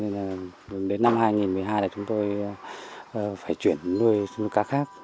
nên đến năm hai nghìn một mươi hai chúng tôi phải chuyển nuôi cá khác